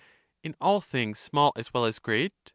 In all things small as well as great?